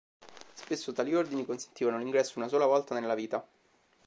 Spesso tali ordini consentivano l'ingresso una sola volta nella vita.